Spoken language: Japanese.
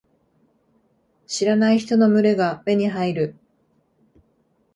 知らない人の群れが目に入る。